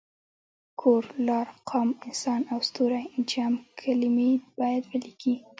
کور، لار، قام، انسان او ستوری جمع کلمې باید ولیکي.